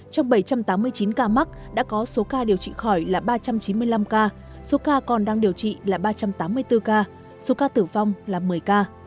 trong bảy trăm tám mươi chín ca mắc đã có số ca điều trị khỏi là ba trăm chín mươi năm ca số ca còn đang điều trị là ba trăm tám mươi bốn ca số ca tử vong là một mươi ca